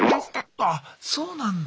あっそうなんだ。